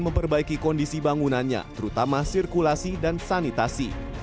memperbaiki kondisi bangunannya terutama sirkulasi dan sanitasi